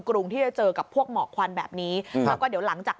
กรุงที่จะเจอกับพวกหมอกควันแบบนี้แล้วก็เดี๋ยวหลังจาก